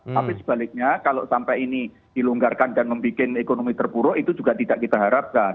tapi sebaliknya kalau sampai ini dilonggarkan dan membuat ekonomi terpuruk itu juga tidak kita harapkan